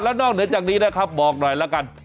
แล้วนอกเหนือจากนี้นะครับบอกหน่อยละกัน